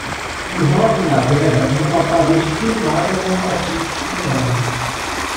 Um jovem navega em uma parede inclinada com patins inline